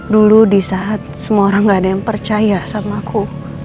dulu di saat semua orang gak ada yang percaya sama aku